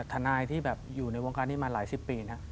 ทนายที่แบบอยู่ในวงการนี้มาหลายสิบปี